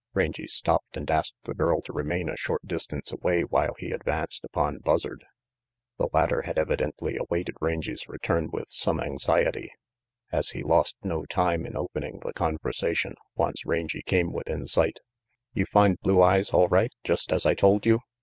Rangy stopped and asked the girl to remain a short distance away while he advanced upon Buzzard. The latter had evidently awaited Rangy 's return with some anxiety, as he lost no time in RANGY PETE 115 opening the conversation once Rangy came within sight, "You find Blue Eyes all right just as I told you?"